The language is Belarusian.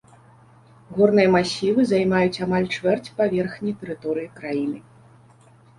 Горныя масівы займаюць амаль чвэрць паверхні тэрыторыі краіны.